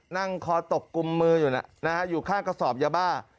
นั่งคอตกกุมมืออยู่นะฮะอยู่ข้างกระสอบยาบ้า